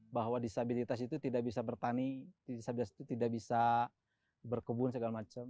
bahwa disabilitas itu tidak bisa bertani disabilitas itu tidak bisa berkebun segala macam